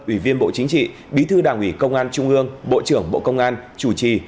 ủy viên bộ chính trị bí thư đảng ủy công an trung ương bộ trưởng bộ công an chủ trì